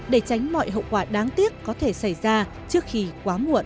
để tránh mọi hậu quả đáng tiếc có thể xảy ra trước khi quá muộn